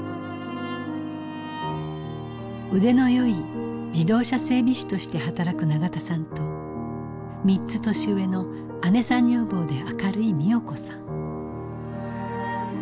腕のよい自動車整備士として働く永田さんと３つ年上の姉さん女房で明るい美代子さん。